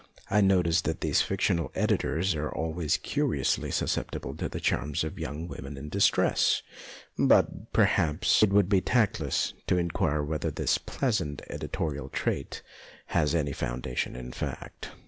I notice that these fictional editors are always curiously suscep tible to the charms of young women in dis tress, but, perhaps, it would be tactless to inquire whether this pleasant editorial trait has any foundation in fact.